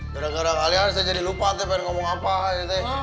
gara gara kalian saya jadi lupa tuh pengen ngomong apa gitu